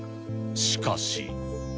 しかし。